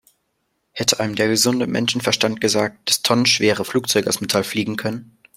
Hätte einem der gesunde Menschenverstand gesagt, dass tonnenschwere Flugzeuge aus Metall fliegen können?